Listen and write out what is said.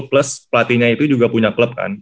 plus pelatihnya itu juga punya klub kan